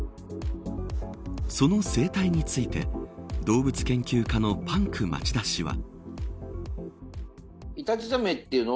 その生態について動物研究家のパンク町田氏は。